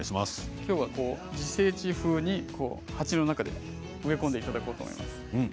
きょうは自生地風に鉢の中に植え込んでいただこうと思います。